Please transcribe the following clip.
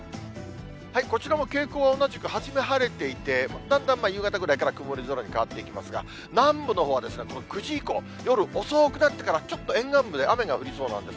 こちらも傾向は同じく初め晴れていて、だんだん夕方ぐらいから曇り空に変わっていきますが、南部のほうは９時以降、夜遅くなってから、ちょっと沿岸部で雨が降りそうなんです。